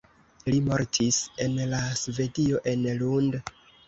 Li mortis la en Svedio en Lund.